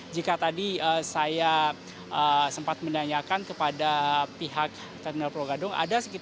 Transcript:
jika tadi saya sempat menanyakan kepada pihak terminal pulau gadung